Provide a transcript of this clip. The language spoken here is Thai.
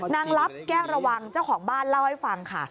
ลับแก้วระวังเจ้าของบ้านเล่าให้ฟังค่ะ